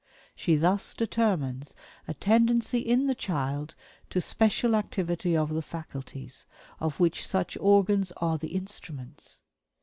She thus determines a tendency in the child to special activity of the faculties, of which such organs are the instruments.